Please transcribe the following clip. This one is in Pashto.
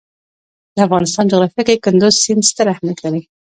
د افغانستان جغرافیه کې کندز سیند ستر اهمیت لري.